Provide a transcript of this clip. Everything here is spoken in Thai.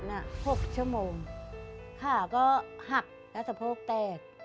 ๖ชั่วโมงขาก็หักแล้วสะโพกแตก